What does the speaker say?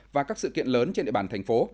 và các sự kiện lớn trên địa bàn thành phố